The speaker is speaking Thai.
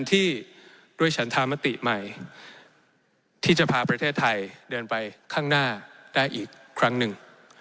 ที่จะพาประเทศไทยเดินไปข้างหน้าได้อีกครั้งนึง